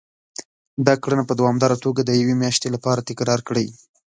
دا کړنه په دوامداره توګه د يوې مياشتې لپاره تکرار کړئ.